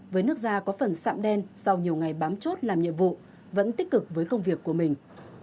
với nước gia có phần sạm đen sau nhiều ngày bám chốt làm nhiệm vụ vẫn tích cực với công việc của mình